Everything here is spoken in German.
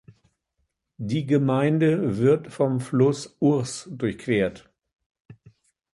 Die Gemeinde wird vom Fluss Ource durchquert.